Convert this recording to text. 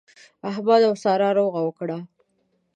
احمد او سارا روغه وکړه.